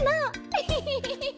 エヘヘヘヘヘ。